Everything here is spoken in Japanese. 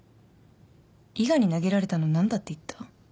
伊賀に投げられたの何だって言った？